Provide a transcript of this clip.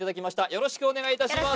よろしくお願いします